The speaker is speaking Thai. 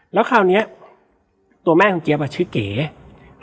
และวันนี้แขกรับเชิญที่จะมาเชิญที่เรา